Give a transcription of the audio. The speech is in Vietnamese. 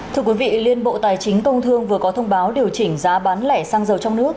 thưa quý vị liên bộ tài chính công thương vừa có thông báo điều chỉnh giá bán lẻ xăng dầu trong nước